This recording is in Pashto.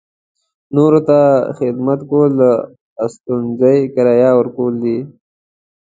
نورو ته خدمت کول د استوګنځي کرایه ورکول دي.